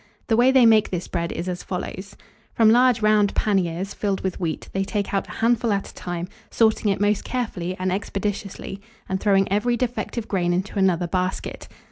The way they make this bread is as follows: From large round panniers filled with wheat they take out a handful at a time, sorting it most carefully and expeditiously, and throwing every defective grain into another basket.